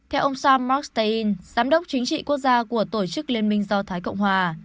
theo ông sam markstein giám đốc chính trị quốc gia của tổ chức liên minh do thái cộng hòa